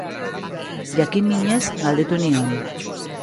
Jakinminez galdetu nion.